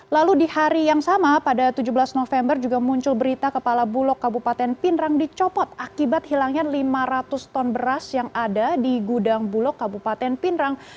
lalu di hari yang sama pada tujuh belas november juga muncul berita kepala bulog kabupaten pindrang dicopot akibat hilangnya lima ratus ton beras yang ada di gudang bulog kabupaten pindrang